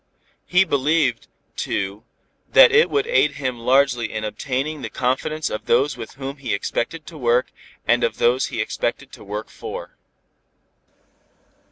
He believed, too, that it would aid him largely in obtaining the confidence of those with whom he expected to work and of those he expected to work for.